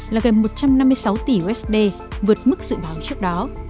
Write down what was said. là gần một trăm năm mươi sáu tỷ usd vượt mức dự báo trước đó